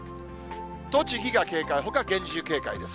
栃木が警戒、ほか厳重警戒です。